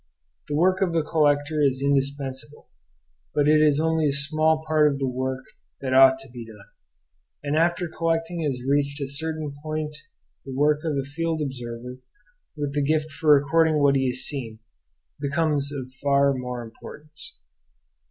The work of the collector is indispensable; but it is only a small part of the work that ought to be done; and after collecting has reached a certain point the work of the field observer with the gift for recording what he has seen becomes of far more importance.